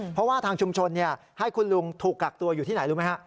เพราะว่าทางชุมชนให้คุณลุงถูกกักตัวอยู่ที่ไหนรู้ไหมฮะ